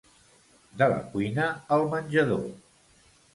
De la cuina al menjador.